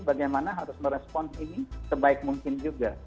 bagaimana harus merespons ini sebaik mungkin juga